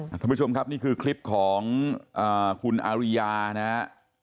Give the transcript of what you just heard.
ท่านผู้ชมครับนี่คือคลิปของคุณอาริยานะฮะ